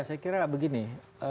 saya kira begini